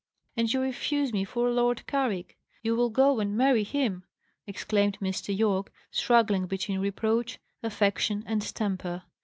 "And you refuse me for Lord Carrick! You will go and marry him!" exclaimed Mr. Yorke, struggling between reproach, affection, and temper.